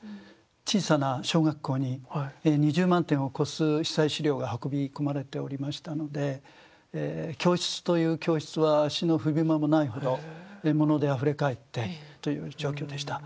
小さな小学校に２０万点を超す被災資料が運び込まれておりましたので教室という教室は足の踏み場もないほど物であふれかえってという状況でした。